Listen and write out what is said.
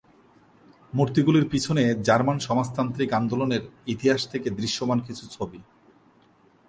মূর্তিগুলির পিছনে জার্মান সমাজতান্ত্রিক আন্দোলনের ইতিহাস থেকে দৃশ্যমান কিছু ছবি।